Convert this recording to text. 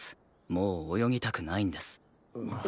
もう泳ぎたくないんです。